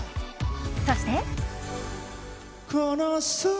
そして。